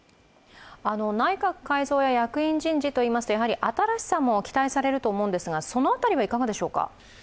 内閣改造や役員人事といいますとやはり新しさも期待されると思うんですが、その辺りはいかがでしょうか？